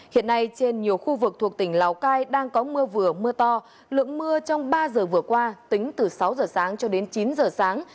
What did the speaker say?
hiện nay trên nhiều khu vực thuộc tỉnh lào cai đang có mưa vừa mưa to lượng mưa trong ba giờ vừa qua tính từ sáu giờ sáng cho đến chín giờ sáng